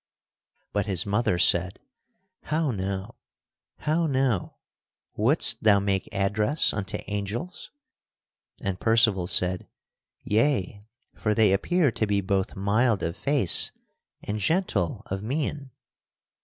But his mother said: "How now! How now! Wouldst thou make address unto angels!" And Percival said: "Yea; for they appear to be both mild of face and gentle of mien."